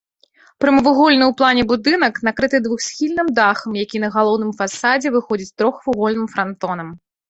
Прамавугольны ў плане будынак накрыты двухсхільным дахам, які на галоўным фасадзе выходзіць трохвугольным франтонам.